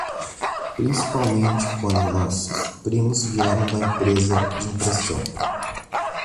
Principalmente quando nossos primos vieram da empresa de impressão.